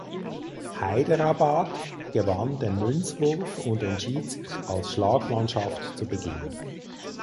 Hyderabad gewann den Münzwurf und entschied sich als Schlagmannschaft zu beginnen.